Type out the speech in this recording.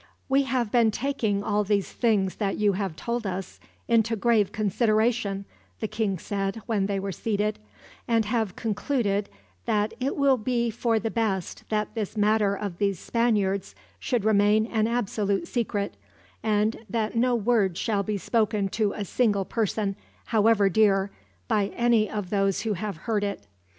"We have been taking all these things that you have told us into grave consideration," the king said, when they were seated; "and have concluded that it will be for the best that this matter of these Spaniards should remain an absolute secret, and that no word shall be spoken to a single person, however dear, by any of those who have heard it.